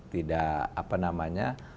tidak apa namanya